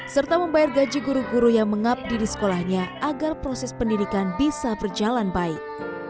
serta membayar gaji guru guru yang mengabdi di sekolahnya agar proses pendidikan bisa berjalan baik